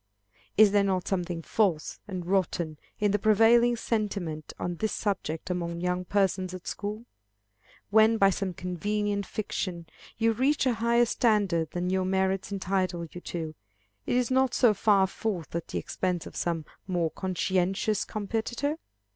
Is there not something false and rotten in the prevailing sentiment on this subject among young persons at school? When by some convenient fiction you reach a higher standard than your merits entitle you to, is it not so far forth at the expense of some more conscientious competitor?